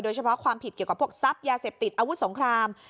เฉพาะความผิดเกี่ยวกับพวกทรัพย์ยาเสพติดอาวุธสงคราม